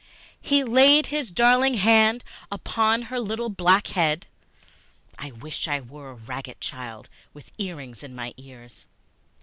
He laid his darling hand upon her little black head, (I wish I were a ragged child with earrings in my ears!)